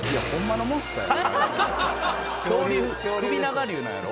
恐竜首長竜なんやろ？